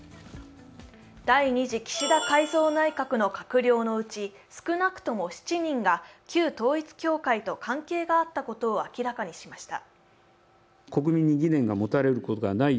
第２次岸田改造内閣の閣僚のうち少なくとも７人が旧統一教会と関係があったことを明らかにしました。